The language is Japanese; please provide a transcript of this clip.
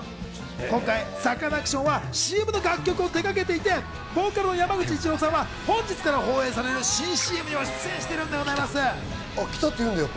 今回、サカナクションはＣＭの楽曲を手がけていて、これ、ボーカルの山口一郎さんは本日から放映される新ＣＭにも出演しているんでございます。